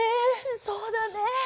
そうだね。